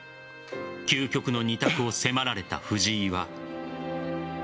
究極の二択を迫られた藤井は。